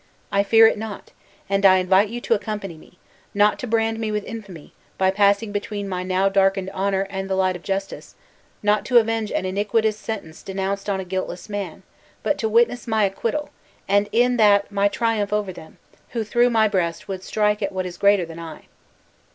I fear it not, and I invite you to accompany me; not to brand me with infamy, by passing between my now darkened honor and the light of justice not to avenge an iniquitous sentence denounced on a guiltless man but to witness my acquittal; and in that my triumph over them, who, through my breast would strike at what is greater than I."